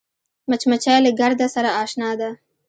مچمچۍ له ګرده سره اشنا ده